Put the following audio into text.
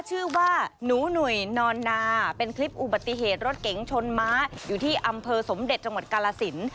ชื่อว่าหนูหนุ่ยนอนนาเป็นคลิปอุบัติเหตุรถเก๋งชนม้าอยู่ที่อำเภอสมเด็จจังหวัดกาลสิน